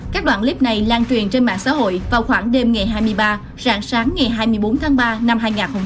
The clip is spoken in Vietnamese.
các đoạn clip này lan truyền trên mạng xã hội vào khoảng đêm ngày hai mươi ba rạng sáng ngày hai mươi bốn tháng ba năm hai nghìn hai mươi